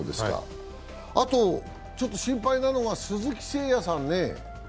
あと、ちょっと心配なのが、鈴木誠也さんね。